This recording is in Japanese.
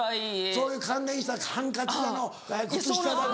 そういう関連したハンカチだの靴下だの。